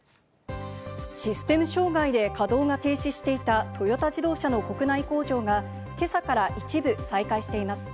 システム障害で稼働が停止していたトヨタ自動車の国内工場が今朝から一部再開しています。